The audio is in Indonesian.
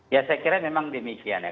ya saya kira memang demikian ya